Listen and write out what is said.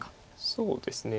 そうですね。